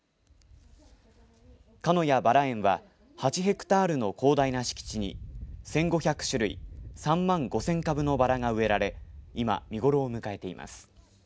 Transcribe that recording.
かのやばら園は８ヘクタールの広大な敷地に１５００種類３万５０００株のばらが植えられ今、見頃を迎えています。